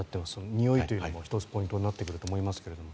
においというのも１つ、ポイントになってくると思いますが。